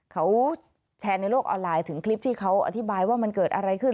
เขาแชร์ในโลกออนไลน์ถึงคลิปที่เขาอธิบายว่ามันเกิดอะไรขึ้น